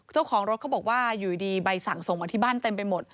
เจ้าของรถเขาบอกว่าอยู่ดีใบสั่งส่งมาที่บ้านเต็มไปหมด